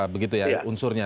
begitu ya unsurnya